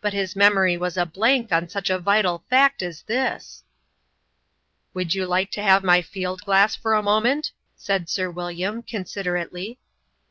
But his memory was a blank on such a vital fact as this !" Would you like to have my field glass for a moment ?" said Sir William, considerately.